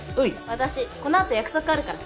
私このあと約束あるから。